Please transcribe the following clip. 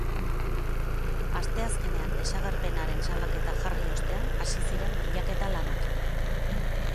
Asteazkenean desagerpenaren salaketa jarri ostean, hasi ziren bilaketa lanak.